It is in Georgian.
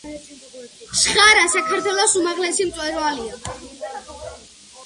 შხარა საქართველოს უმაღლესი მწვერვალია.